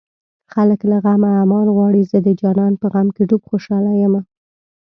خلک له غمه امان غواړي زه د جانان په غم کې ډوب خوشاله يمه